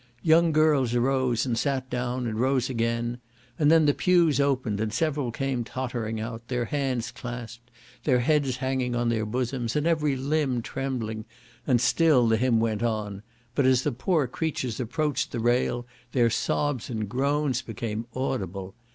Young girls arose, and sat down, and rose again; and then the pews opened, and several came tottering out, their hands clasped, their heads hanging on their bosoms, and every limb trembling, and still the hymn went on; but as the poor creatures approached the rail their sobs and groans became audible.